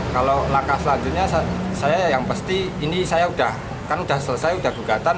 kalau langkah selanjutnya saya yang pasti ini saya udah kan udah selesai udah gugatan